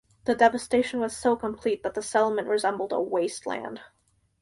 The devastation was so complete that the settlement resembled a wasteland.